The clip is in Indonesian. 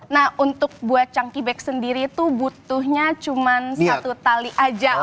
nah untuk buat changki back sendiri itu butuhnya cuma satu tali aja